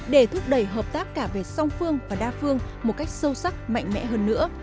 để thúc đẩy hợp tác cả về song phương và đa phương một cách sâu sắc mạnh mẽ hơn nữa